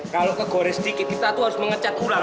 kalau kegores dikit kita tuh harus mengecat ulang